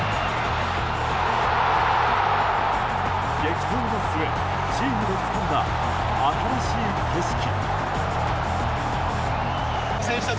激闘の末チームでつかんだ新しい景色。